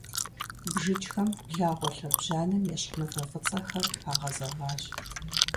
БжыкӀхэм благъуэ лъэбжьанэм ещхь мывэ фӀыцӀэхэр пагъэзэгъащ.